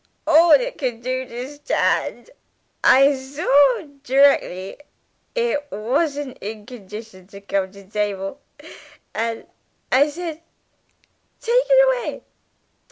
All it could do to shtand! I saw d'rectly it washn't in condition come to table, and I said, 'Take it away!